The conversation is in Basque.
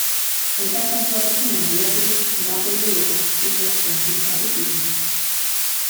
Aita Santuarekin aliaturik Napoli eta Sizilia konkistatu zituen.